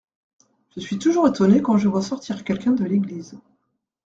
Je suis toujours étonné quand je vois sortir quelqu'un de l'église.